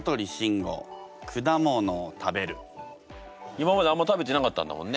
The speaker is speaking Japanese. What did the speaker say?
今まであんま食べてなかったんだもんね。